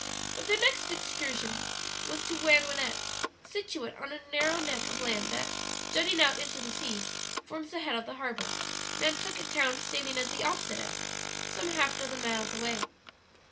But their next excursion was to Wanwinet, situate on a narrow neck of land that, jutting out into the sea, forms the head of the harbor; Nantucket Town standing at the opposite end, some half dozen miles away.